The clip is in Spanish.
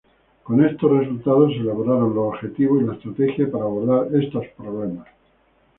Con estos resultados se elaboraron los objetivos y la estrategia para abordar estos problemas.